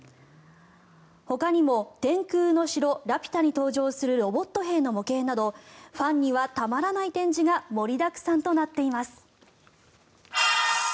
ほかにも「天空の城ラピュタ」に登場するロボット兵の模型などファンにはたまらない展示が盛りだくさんとなっています。